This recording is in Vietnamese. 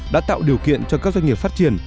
đã tạo điều kiện cho các doanh nghiệp phát triển